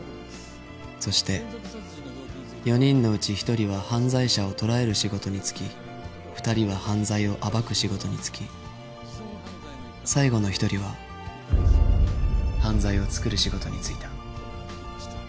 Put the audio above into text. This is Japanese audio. そして４人のうち１人は犯罪者を捕らえる仕事に就き２人は犯罪を暴く仕事に就き最後の１人は犯罪を作る仕事に就いた。